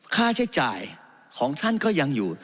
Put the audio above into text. ค่าใช้จ่ายของท่านก็ยังอยู่